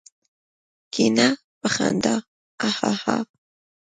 کېنه! په خندا هههه.